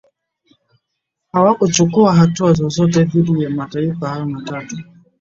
hawakuchukua hatua zozote dhidi ya mataifa hayo matatu